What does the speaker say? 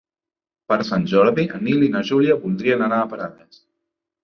Per Sant Jordi en Nil i na Júlia voldrien anar a Prades.